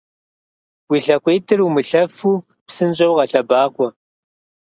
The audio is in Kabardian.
Уи лъакъуитӏыр умылъэфу псынщӏэу къэлъэбакъуэ!